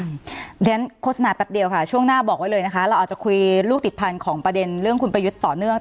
เพราะฉะนั้นโฆษณาแป๊บเดียวค่ะช่วงหน้าบอกไว้เลยนะคะเราอาจจะคุยลูกติดพันธุ์ของประเด็นเรื่องคุณประยุทธ์ต่อเนื่อง